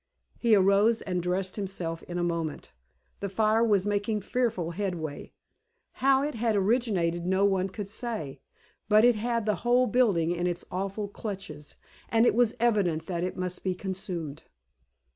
He arose and dressed himself in a moment. The fire was making fearful headway. How it had originated no one could say; but it had the whole building in its awful clutches, and it was evident that it must be consumed.